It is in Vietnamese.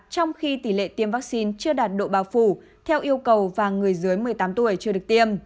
trong khi tỷ lệ tiêm vaccine chưa đạt độ bào phủ theo yêu cầu và người dưới một mươi tám tuổi chưa được tiêm